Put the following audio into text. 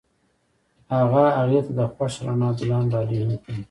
هغه هغې ته د خوښ رڼا ګلان ډالۍ هم کړل.